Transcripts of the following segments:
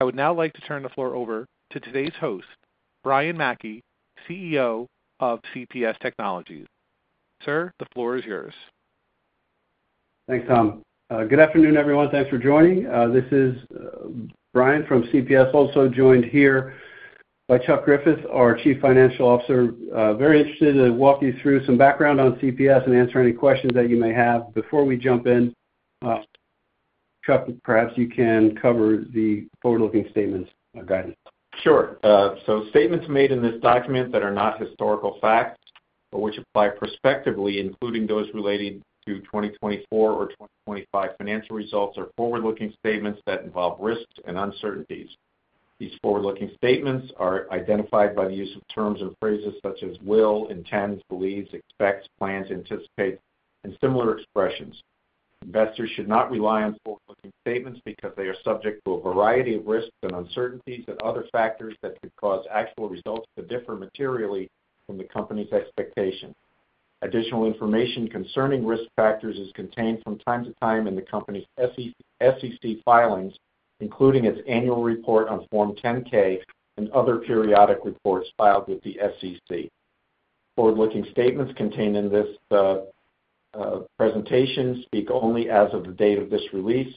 I would now like to turn the floor over to today's host, Brian Mackey, CEO of CPS Technologies. Sir, the floor is yours. Thanks, Tom. Good afternoon, everyone. Thanks for joining. This is Brian from CPS, also joined here by Chuck Griffith, our Chief Financial Officer. Very interested to walk you through some background on CPS and answer any questions that you may have. Before we jump in, Chuck, perhaps you can cover the forward-looking statements or guidance. Sure. So statements made in this document that are not historical facts but which apply prospectively, including those relating to 2024 or 2025 financial results, are forward-looking statements that involve risks and uncertainties. These forward-looking statements are identified by the use of terms and phrases such as will, intends, believes, expects, plans, anticipates, and similar expressions. Investors should not rely on forward-looking statements because they are subject to a variety of risks and uncertainties and other factors that could cause actual results to differ materially from the company's expectations. Additional information concerning risk factors is contained from time to time in the company's SEC filings, including its annual report on Form 10-K and other periodic reports filed with the SEC. Forward-looking statements contained in this presentation speak only as of the date of this release.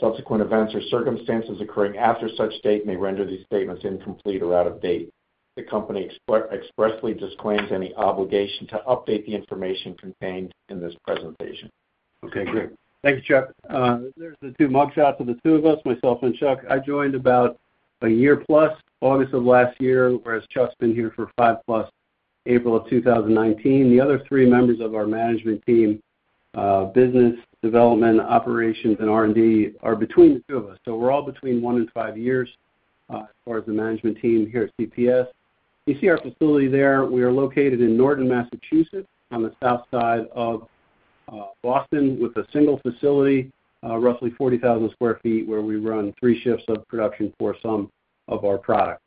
Subsequent events or circumstances occurring after such date may render these statements incomplete or out of date. The company expressly disclaims any obligation to update the information contained in this presentation. Okay. Great. Thank you, Chuck. There's the two mugshots of the two of us, myself and Chuck. I joined about a year plus, August of last year, whereas Chuck's been here for five plus, April of 2019. The other three members of our management team, Business Development, operations, and R&D, are between the two of us. So we're all between one and five years as far as the management team here at CPS. You see our facility there. We are located in Norton, Massachusetts, on the south side of Boston with a single facility, roughly 40,000 sq ft, where we run three shifts of production for some of our products.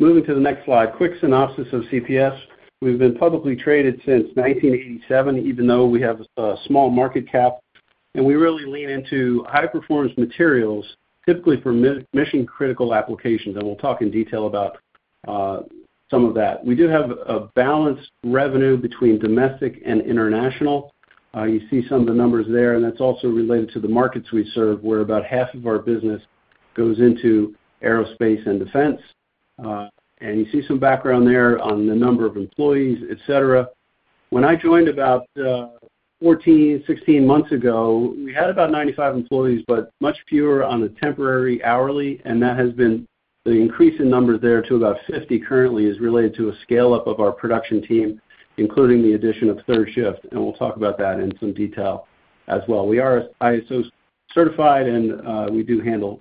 Moving to the next slide, quick synopsis of CPS. We've been publicly traded since 1987, even though we have a small market cap, and we really lean into high-performance materials, typically for mission-critical applications. We'll talk in detail about some of that. We do have a balanced revenue between domestic and international. You see some of the numbers there, and that's also related to the markets we serve, where about half of our business goes into aerospace and defense. You see some background there on the number of employees, etc. When I joined about 14, 16 months ago, we had about 95 employees, but much fewer on the temporary hourly. That has been the increase in numbers there to about 50 currently is related to a scale-up of our production team, including the addition of third shift. We'll talk about that in some detail as well. We are ISO-certified, and we do handle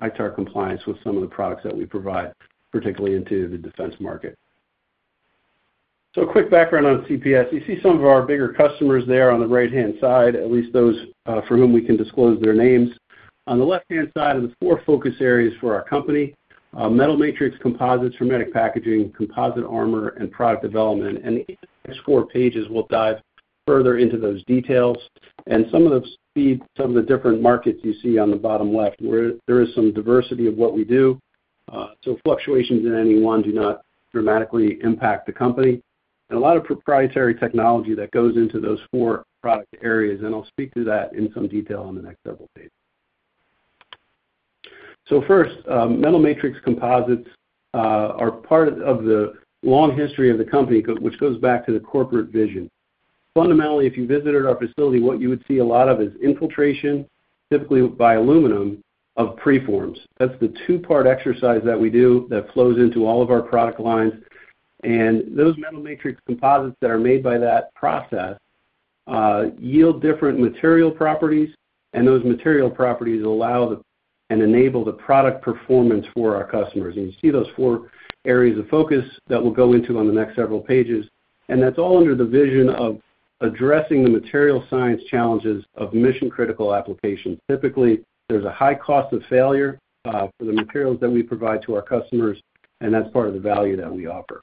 ITAR compliance with some of the products that we provide, particularly into the defense market. A quick background on CPS. You see some of our bigger customers there on the right-hand side, at least those for whom we can disclose their names. On the left-hand side are the four focus areas for our company: metal matrix composites, hermetic packaging, composite armor, and product development, and in the next four pages, we'll dive further into those details, and some of the different markets you see on the bottom left, there is some diversity of what we do, so fluctuations in any one do not dramatically impact the company, and a lot of proprietary technology that goes into those four product areas, and I'll speak to that in some detail on the next several pages, so first, metal matrix composites are part of the long history of the company, which goes back to the corporate vision. Fundamentally, if you visited our facility, what you would see a lot of is infiltration, typically by aluminum, of preforms. That's the two-part exercise that we do that flows into all of our product lines, and those metal matrix composites that are made by that process yield different material properties, and those material properties allow and enable the product performance for our customers, and you see those four areas of focus that we'll go into on the next several pages, and that's all under the vision of addressing the material science challenges of mission-critical applications. Typically, there's a high cost of failure for the materials that we provide to our customers, and that's part of the value that we offer.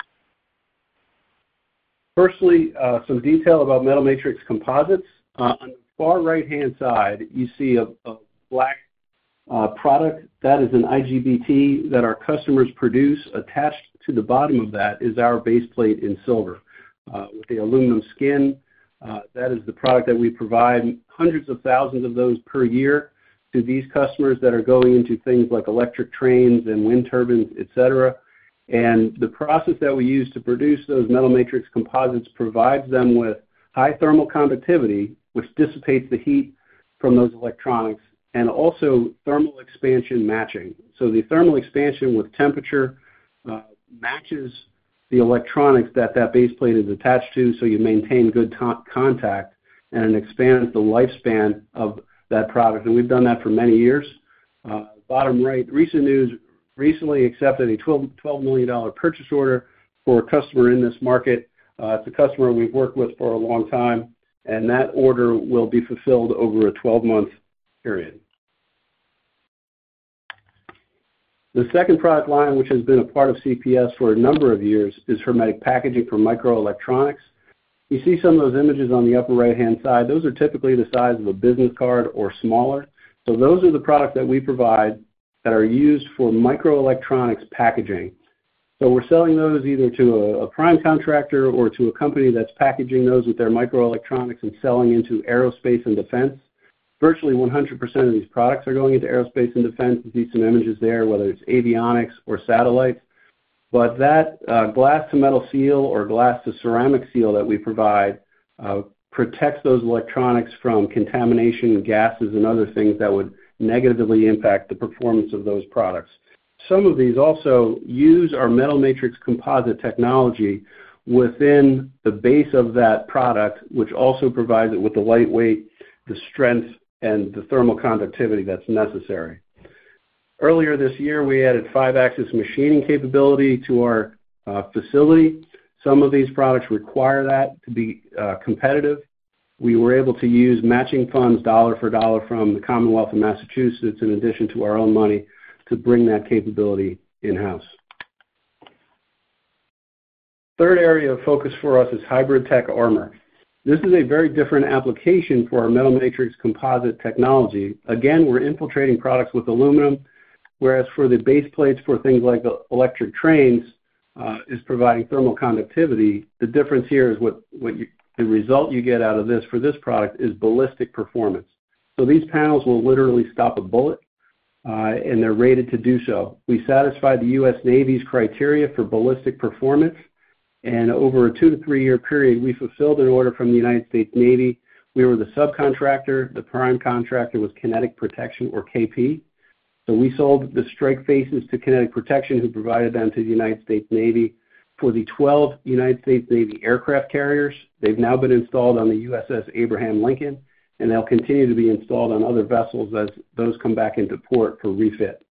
Firstly, some detail about metal matrix composites. On the far right-hand side, you see a black product. That is an IGBT that our customers produce. Attached to the bottom of that is our base plate in silver with the aluminum skin. That is the product that we provide hundreds of thousands of those per year to these customers that are going into things like electric trains and wind turbines, etc. And the process that we use to produce those metal matrix composites provides them with high thermal conductivity, which dissipates the heat from those electronics, and also thermal expansion matching. So the thermal expansion with temperature matches the electronics that that base plate is attached to, so you maintain good contact and expand the lifespan of that product. And we've done that for many years. Bottom right, recent news, recently accepted a $12 million purchase order for a customer in this market. It's a customer we've worked with for a long time, and that order will be fulfilled over a 12-month period. The second product line, which has been a part of CPS for a number of years, is hermetic packaging for microelectronics. You see some of those images on the upper right-hand side. Those are typically the size of a business card or smaller, so those are the products that we provide that are used for microelectronics packaging, so we're selling those either to a prime contractor or to a company that's packaging those with their microelectronics and selling into aerospace and defense. Virtually 100% of these products are going into aerospace and defense. You see some images there, whether it's avionics or satellites, but that glass-to-metal seal or glass-to-ceramic seal that we provide protects those electronics from contamination, gases, and other things that would negatively impact the performance of those products. Some of these also use our metal matrix composite technology within the base of that product, which also provides it with the lightweight, the strength, and the thermal conductivity that's necessary. Earlier this year, we added five-axis machining capability to our facility. Some of these products require that to be competitive. We were able to use matching funds, dollar for dollar, from the Commonwealth of Massachusetts in addition to our own money to bring that capability in-house. Third area of focus for us is HybridTech Armor. This is a very different application for our metal matrix composite technology. Again, we're infiltrating products with aluminum, whereas for the base plates for things like electric trains is providing thermal conductivity. The difference here is what the result you get out of this for this product is ballistic performance. So these panels will literally stop a bullet, and they're rated to do so. We satisfy the U.S. Navy's criteria for ballistic performance. And over a two- to three-year period, we fulfilled an order from the United States Navy. We were the subcontractor. The prime contractor was Kinetic Protection, or KP. So we sold the strike faces to Kinetic Protection, who provided them to the United States Navy for the 12 United States Navy aircraft carriers. They've now been installed on the USS Abraham Lincoln, and they'll continue to be installed on other vessels as those come back into port for refit.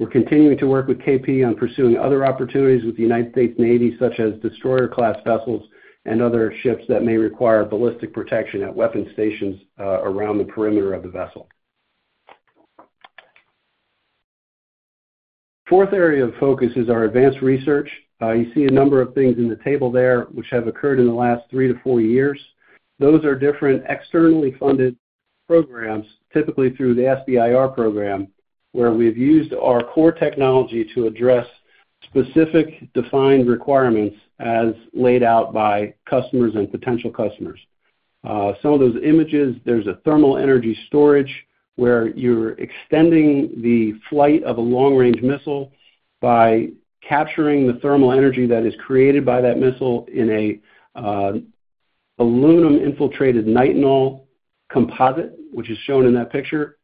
We're continuing to work with KP on pursuing other opportunities with the United States Navy, such as destroyer-class vessels and other ships that may require ballistic protection at weapon stations around the perimeter of the vessel. Fourth area of focus is our advanced research. You see a number of things in the table there which have occurred in the last three to four years. Those are different externally funded programs, typically through the SBIR program, where we've used our core technology to address specific defined requirements as laid out by customers and potential customers. Some of those images, there's a thermal energy storage where you're extending the flight of a long-range missile by capturing the thermal energy that is created by that missile in an aluminum-infiltrated Nitinol composite, which is shown in that picture.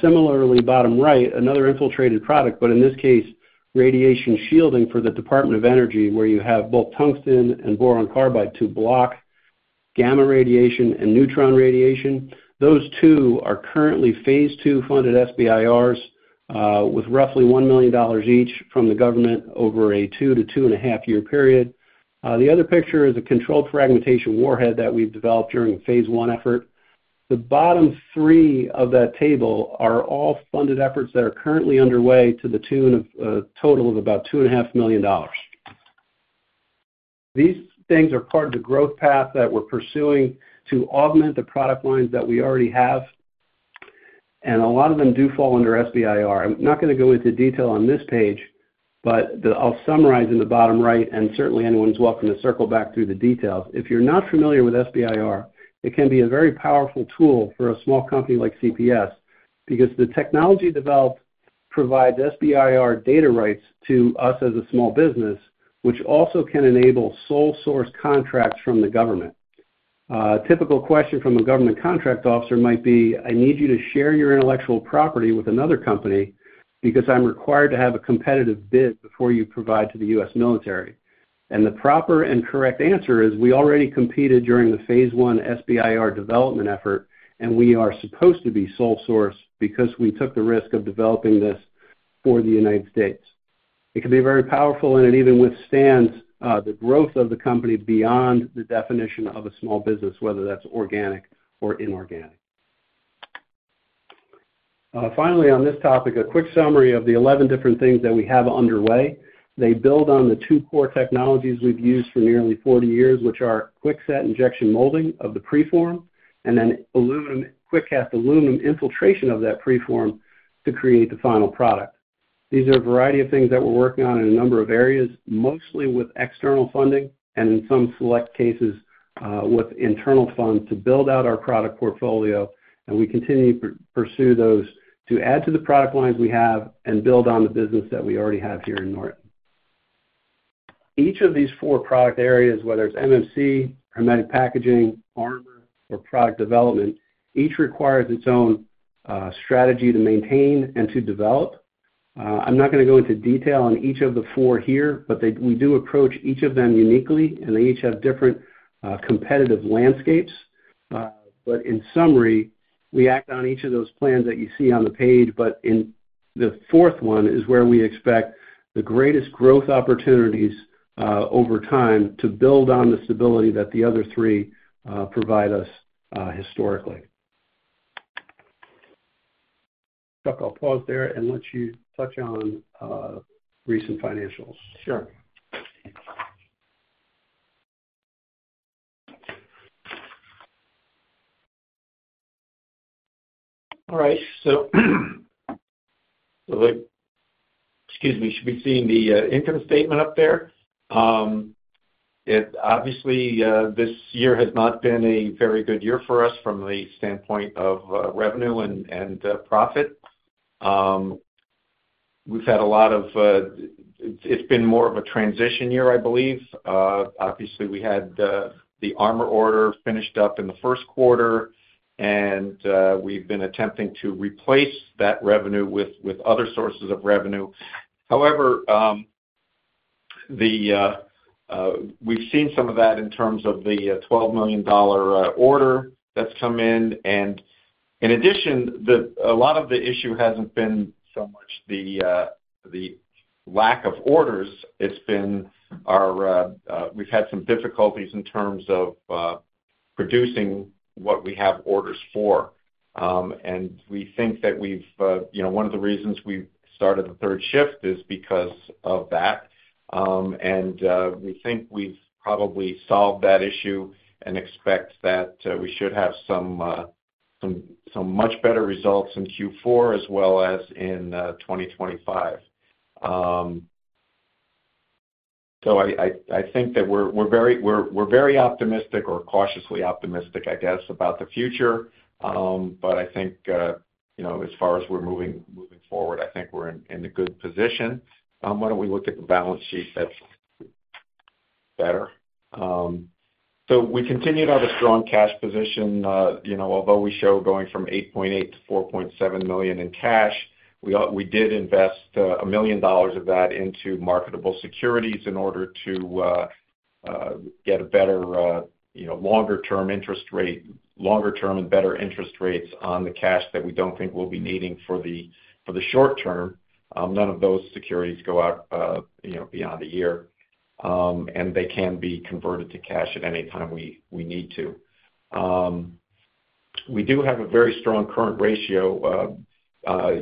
Similarly, bottom right, another infiltrated product, but in this case, radiation shielding for the Department of Energy, where you have both tungsten and boron carbide to block gamma radiation and neutron radiation. Those two are currently Phase II funded SBIRs with roughly $1 million each from the government over a two to two and a half year period. The other picture is a controlled fragmentation warhead that we've developed during the Phase I effort. The bottom three of that table are all funded efforts that are currently underway to the tune of a total of about $2.5 million. These things are part of the growth path that we're pursuing to augment the product lines that we already have, and a lot of them do fall under SBIR. I'm not going to go into detail on this page, but I'll summarize in the bottom right, and certainly anyone's welcome to circle back through the details. If you're not familiar with SBIR, it can be a very powerful tool for a small company like CPS because the technology developed provides SBIR data rights to us as a small business, which also can enable sole source contracts from the government. A typical question from a government contract officer might be, "I need you to share your intellectual property with another company because I'm required to have a competitive bid before you provide to the U.S. military." And the proper and correct answer is, "We already competed during the Phase I SBIR development effort, and we are supposed to be sole source because we took the risk of developing this for the United States." It can be very powerful, and it even withstands the growth of the company beyond the definition of a small business, whether that's organic or inorganic. Finally, on this topic, a quick summary of the 11 different things that we have underway. They build on the two core technologies we've used for nearly 40 years, which are Quickset injection molding of the preform and then Quickcast aluminum infiltration of that preform to create the final product. These are a variety of things that we're working on in a number of areas, mostly with external funding and in some select cases with internal funds to build out our product portfolio, and we continue to pursue those to add to the product lines we have and build on the business that we already have here in Norton. Each of these four product areas, whether it's MMC, hermetic packaging, armor, or product development, each requires its own strategy to maintain and to develop. I'm not going to go into detail on each of the four here, but we do approach each of them uniquely, and they each have different competitive landscapes, but in summary, we act on each of those plans that you see on the page. But the fourth one is where we expect the greatest growth opportunities over time to build on the stability that the other three provide us historically. Chuck, I'll pause there and let you touch on recent financials. Sure. All right. So excuse me. You should be seeing the income statement up there. Obviously, this year has not been a very good year for us from the standpoint of revenue and profit. We've had a lot of. It's been more of a transition year, I believe. Obviously, we had the armor order finished up in the first quarter, and we've been attempting to replace that revenue with other sources of revenue. However, we've seen some of that in terms of the $12 million order that's come in. And in addition, a lot of the issue hasn't been so much the lack of orders. It's been. We've had some difficulties in terms of producing what we have orders for, and we think that one of the reasons we started the third shift is because of that, and we think we've probably solved that issue and expect that we should have some much better results in Q4 as well as in 2025. I think that we're very optimistic or cautiously optimistic, I guess, about the future, but I think as far as we're moving forward, I think we're in a good position. Why don't we look at the balance sheet? That's better, so we continued to have a strong cash position. Although we show going from $8.8 million to $4.7 million in cash, we did invest $1 million of that into marketable securities in order to get a better longer-term interest rate, longer-term and better interest rates on the cash that we don't think we'll be needing for the short term. None of those securities go out beyond a year, and they can be converted to cash at any time we need to. We do have a very strong current ratio.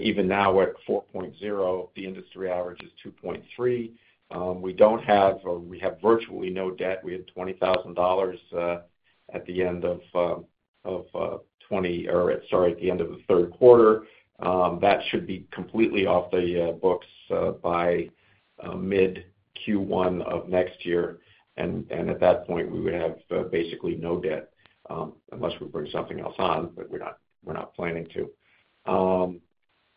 Even now at 4.0, the industry average is 2.3. We have virtually no debt. We had $20,000 at the end of the third quarter. That should be completely off the books by mid-Q1 of next year. At that point, we would have basically no debt unless we bring something else on, but we're not planning to.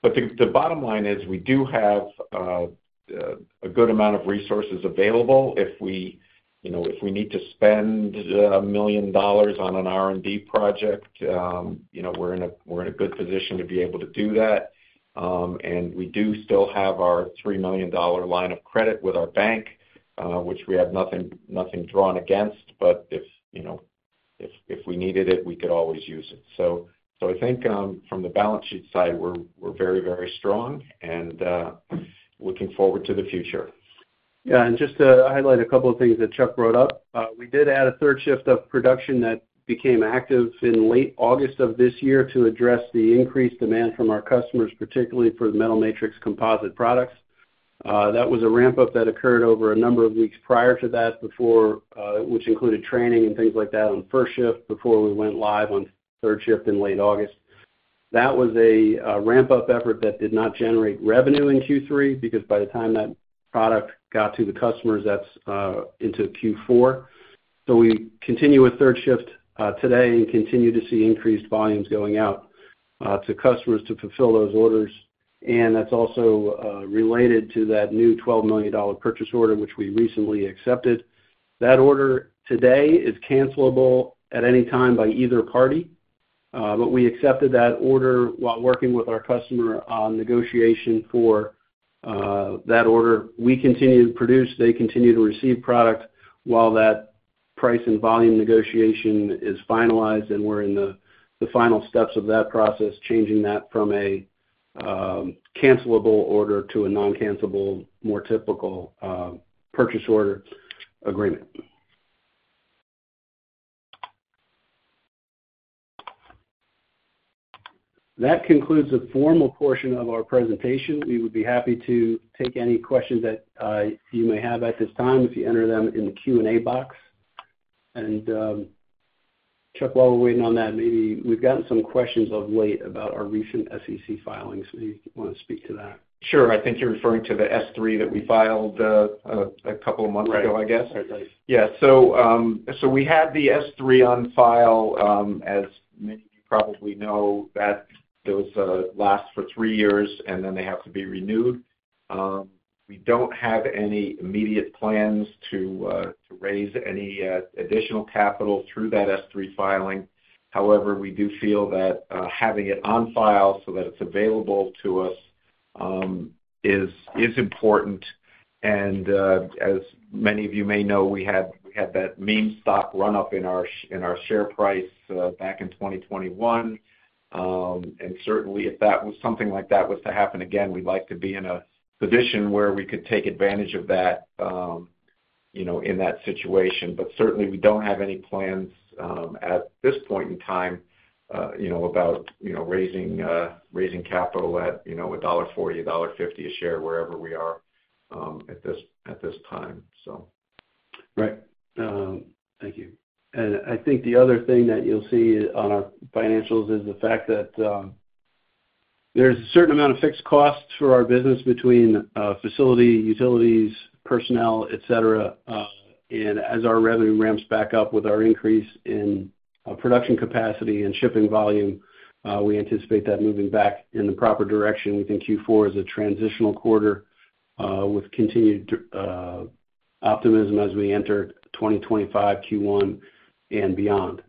But the bottom line is we do have a good amount of resources available. If we need to spend a million dollars on an R&D project, we're in a good position to be able to do that. And we do still have our $3 million line of credit with our bank, which we have nothing drawn against. But if we needed it, we could always use it. So I think from the balance sheet side, we're very, very strong and looking forward to the future. Yeah. And just to highlight a couple of things that Chuck wrote up, we did add a third shift of production that became active in late August of this year to address the increased demand from our customers, particularly for the metal matrix composite products. That was a ramp-up that occurred over a number of weeks prior to that, which included training and things like that on first shift before we went live on third shift in late August. That was a ramp-up effort that did not generate revenue in Q3 because by the time that product got to the customers, that's into Q4. So we continue with third shift today and continue to see increased volumes going out to customers to fulfill those orders. And that's also related to that new $12 million purchase order, which we recently accepted. That order today is cancelable at any time by either party. But we accepted that order while working with our customer on negotiation for that order. We continue to produce. They continue to receive product while that price and volume negotiation is finalized. We're in the final steps of that process, changing that from a cancelable order to a non-cancelable, more typical purchase order agreement. That concludes the formal portion of our presentation. We would be happy to take any questions that you may have at this time if you enter them in the Q&A box. And Chuck, while we're waiting on that, maybe we've gotten some questions of late about our recent SEC filings. Maybe you want to speak to that. Sure. I think you're referring to the S-3 that we filed a couple of months ago, I guess. Yeah. So we had the S-3 on file. As many of you probably know, that does last for three years, and then they have to be renewed. We don't have any immediate plans to raise any additional capital through that S-3 filing. However, we do feel that having it on file so that it's available to us is important. And as many of you may know, we had that meme stock run-up in our share price back in 2021. And certainly, if that was something like that was to happen again, we'd like to be in a position where we could take advantage of that in that situation. But certainly, we don't have any plans at this point in time about raising capital at $1.40, $1.50 a share, wherever we are at this time, so. Right. Thank you. And I think the other thing that you'll see on our financials is the fact that there's a certain amount of fixed costs for our business between facility, utilities, personnel, etc. As our revenue ramps back up with our increase in production capacity and shipping volume, we anticipate that moving back in the proper direction. We think Q4 is a transitional quarter with continued optimism as we enter 2025, Q1, and beyond.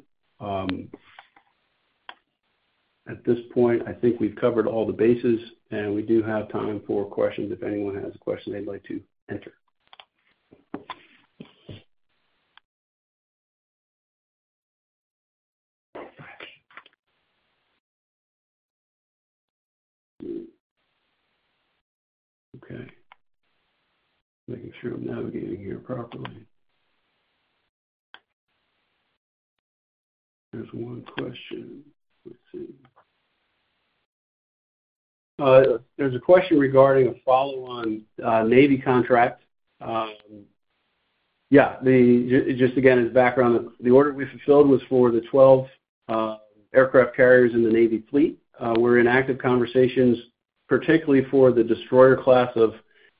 At this point, I think we've covered all the bases, and we do have time for questions if anyone has questions they'd like to enter. Okay. Making sure I'm navigating here properly. There's one question. Let's see. There's a question regarding a follow-on Navy contract. Yeah. Just again, as background, the order we fulfilled was for the 12 aircraft carriers in the Navy fleet. We're in active conversations, particularly for the destroyer class of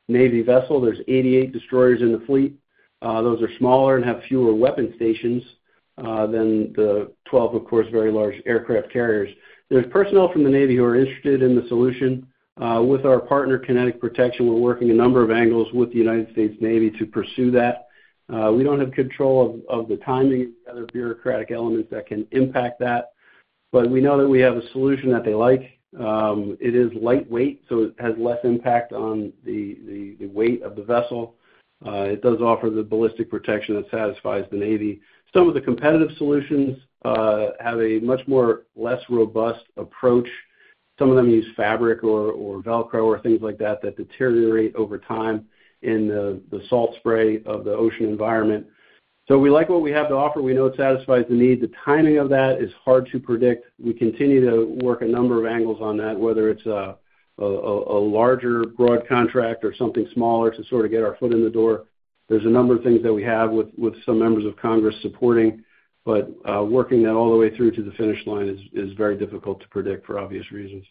Navy vessel. There's 88 destroyers in the fleet. Those are smaller and have fewer weapon stations than the 12, of course, very large aircraft carriers. There's personnel from the Navy who are interested in the solution. With our partner, Kinetic Protection, we're working a number of angles with the United States Navy to pursue that. We don't have control of the timing and the other bureaucratic elements that can impact that. But we know that we have a solution that they like. It is lightweight, so it has less impact on the weight of the vessel. It does offer the ballistic protection that satisfies the Navy. Some of the competitive solutions have a much more less robust approach. Some of them use fabric or Velcro or things like that that deteriorate over time in the salt spray of the ocean environment. So we like what we have to offer. We know it satisfies the need. The timing of that is hard to predict. We continue to work a number of angles on that, whether it's a larger broad contract or something smaller to sort of get our foot in the door. There's a number of things that we have with some members of Congress supporting. But working that all the way through to the finish line is very difficult to predict for obvious reasons.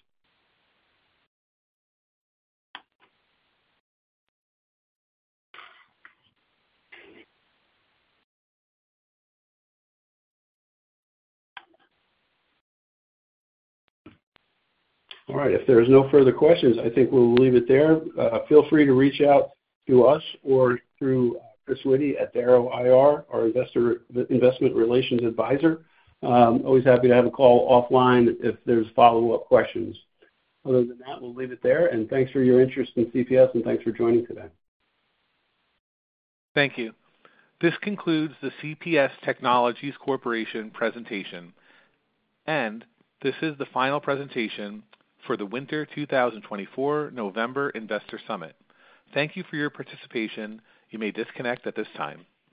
All right. If there are no further questions, I think we'll leave it there. Feel free to reach out to us or through Chris Witty at Darrow IR, our investment relations advisor. Always happy to have a call offline if there's follow-up questions. Other than that, we'll leave it there, and thanks for your interest in CPS, and thanks for joining today. Thank you. This concludes the CPS Technologies Corporation presentation, and this is the final presentation for the Winter 2024 November Investor Summit. Thank you for your participation. You may disconnect at this time.